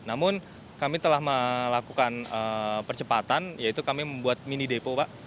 namun kami telah melakukan percepatan yaitu kami membuat mini depo pak